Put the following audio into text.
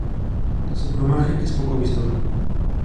Su plumaje es poco vistoso.